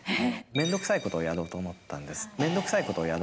面倒くさいことをやろうと思ったんです。